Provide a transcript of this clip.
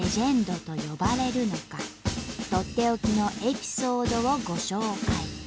とっておきのエピソードをご紹介。